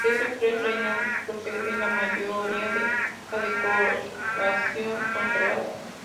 De estos tres reinados procede la mayoría de la decoración conservada.